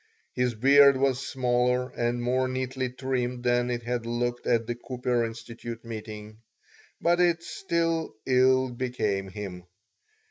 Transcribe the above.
His beard was smaller and more neatly trimmed than it had looked at the Cooper Institute meeting, but it still ill became him.